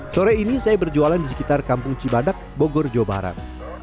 sore ini saya berjualan di sekitar kampung cibadak bogor jawa barat